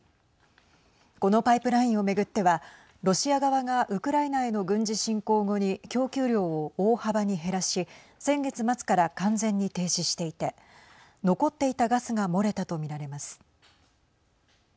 このパイプラインを巡ってはロシア側がウクライナへの軍事侵攻後に供給量を大幅に減らし先月末から完全に停止していて残っていたガスが漏れたと見られます。